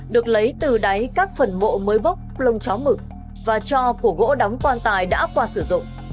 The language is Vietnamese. được lấy từ đáy các phần mộ mới bốc lông chó mực và cho của gỗ đóng quan tài đã qua sử dụng